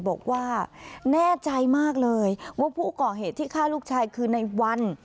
บอกว่าแน่ใจมากเลยว่าผู้ก่อเหตุที่ฆ่าลูกชายคือในวัน